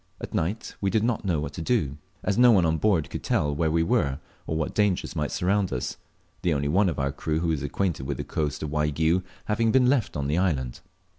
At night we did not know what to do, as no one on board could tell where we were or what dangers might surround us, the only one of our crew who was acquainted with the coast of Waigiou having been left on the island.